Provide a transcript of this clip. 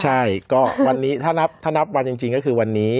ใช่ก็วันนี้ถ้านับวันจริงก็คือวันนี้